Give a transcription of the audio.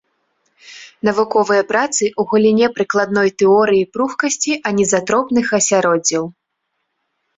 Навуковыя працы ў галіне прыкладной тэорыі пругкасці анізатропных асяроддзяў.